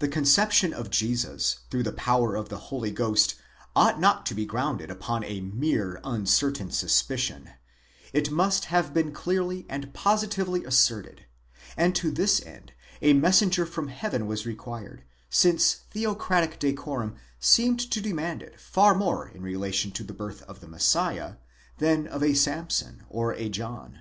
The conception of Jesus through the power of the Holy Ghost ought not to be grounded upon a mere uncertain suspicion; it must have been clearly and posi tively asserted ; and to this end a messenger from heaven was required, since theocratic decorum seemed to demand it far more in relation to the birth of the Messiah, than of a Samson or a John.